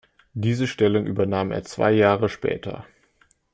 Diese Stellung übernahm er zwei Jahre später.